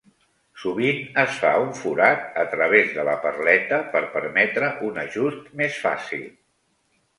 Sovint, es fa un forat a través de la perleta per permetre un ajust més fàcil.